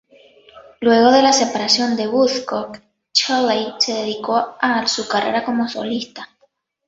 Luego de la separación de Buzzcocks, Shelley se dedicó a su carrera como solista.